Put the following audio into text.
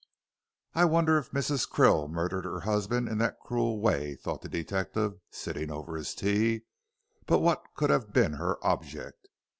"I wonder if Mrs. Krill murdered her husband in that cruel way," thought the detective, sitting over his tea; "but what could have been her object?